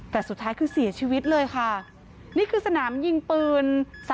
แต่สุดท้ายคือเสียชีวิตเลยค่ะนี่คือสนามยิงปืน